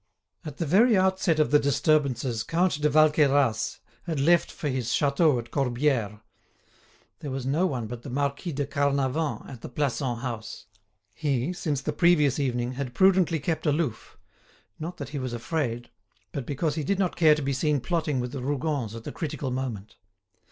At the very outset of the disturbances Count de Valqueyras had left for his chateau at Corbière. There was no one but the Marquis de Carnavant at the Plassans house. He, since the previous evening, had prudently kept aloof; not that he was afraid, but because he did not care to be seen plotting with the Rougons at the critical moment.